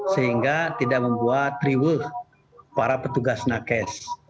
sehingga tidak membuat riwuf para petugas nakes